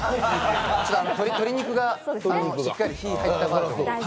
鶏肉がしっかり火入った方が。